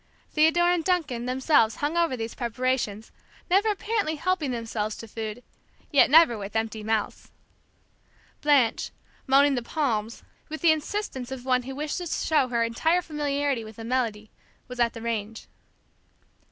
Theodore and Duncan themselves hung over these preparations; never apparently helping themselves to food, yet never with empty mouths. Blanche, moaning "The Palms" with the insistence of one who wishes to show her entire familiarity with a melody, was at the range.